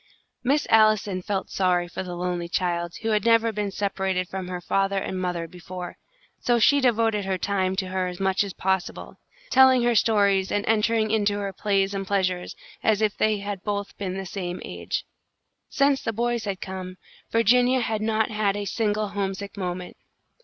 Miss Allison felt sorry for the lonely child, who had never been separated from her father and mother before, so she devoted her time to her as much as possible, telling her stories and entering into her plays and pleasures as if they had both been the same age. Since the boys had come, Virginia had not had a single homesick moment.